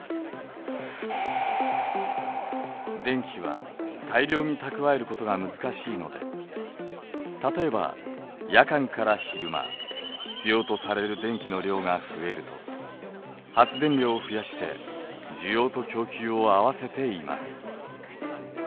電気は大量に蓄えることが難しいので例えば夜間から昼間必要とされる電気の量が増えると発電量を増やして需要と供給を合わせています。